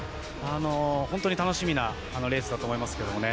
本当に楽しみなレースだと思いますけどね。